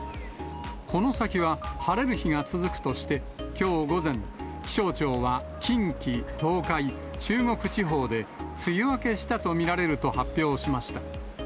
この先は晴れる日が続くとして、きょう午前、気象庁は、近畿、東海、中国地方で、梅雨明けしたと見られると発表しました。